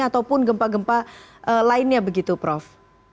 ataupun gempa gempa lainnya begitu prof